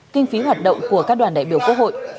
kinh phí hoạt động của các đoàn đại biểu quốc hội